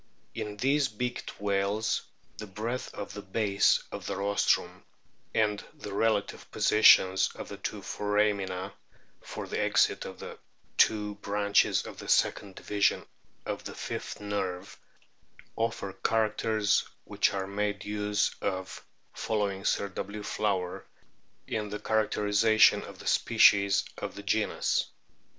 In these "beaked whales" the breadth of the base of the rostrum and the relative positions of the two foramina for the exit of the two branches of the second division of the fifth nerve offer characters, which are made use of, following Sir W. Flower, in the charac terisation of the species of the genus.